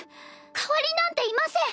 代わりなんていません！